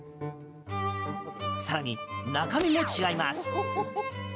更に、中身も違います。